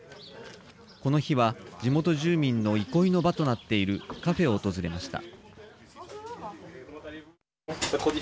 この日は、地元住民の憩いの場となっているカフェを訪れました。